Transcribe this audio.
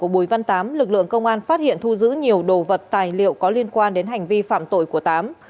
bùi văn tám lực lượng công an phát hiện thu giữ nhiều đồ vật tài liệu có liên quan đến hành vi phạm tội của tám